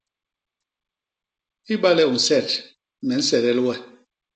Ibale u nset me nsedel we.